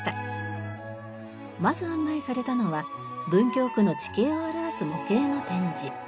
まず案内されたのは文京区の地形を表す模型の展示。